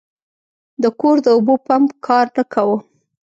د کور د اوبو پمپ کار نه کاوه.